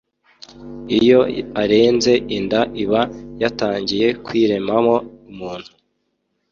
Iyo arenze inda iba yatangiye kwiremamo umuntu